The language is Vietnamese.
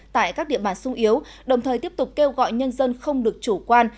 tại các địa bàn sung yếu đồng thời tiếp tục kêu gọi nhân dân không được chủ quan